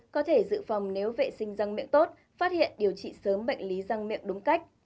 có thể dự phòng nếu vệ sinh răng miệng tốt phát hiện điều trị sớm bệnh lý răng miệng đúng cách